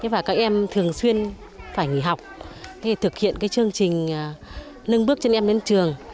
và các em thường xuyên phải nghỉ học thực hiện chương trình nâng bước cho em đến trường